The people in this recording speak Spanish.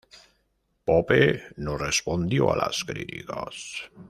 Pope no respondió a las críticas.